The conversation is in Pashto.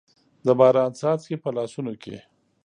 د باران څاڅکي، په لاسونو کې